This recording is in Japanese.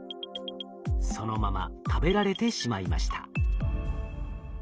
そのまま食べられてしまいました。